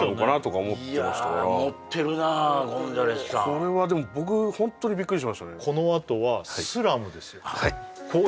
これはでも僕ホントにビックリしましたね